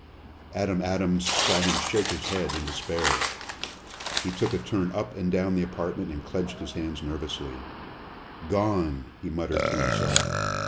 Adam Adams saw him shake his head in despair. He took a turn up and down the apartment and clenched his hands nervously. "Gone!" he muttered to himself.